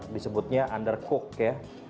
disebutnya undercook ya